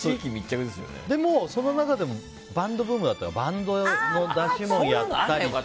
でもその中でもバンドブームだったからバンドの出し物をやったりとか。